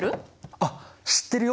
あっ知ってるよ！